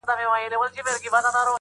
او له دې پرته بله لاره مردوده ده